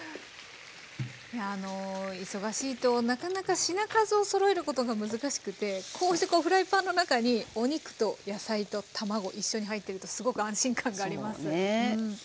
忙しいとなかなか品数をそろえることが難しくてこうしてこうフライパンの中にお肉と野菜と卵一緒に入ってるとすごく安心感があります。